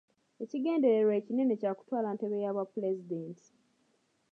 Ekigendererwa ekinene kya kutwala ntebe ya bwapulezidenti.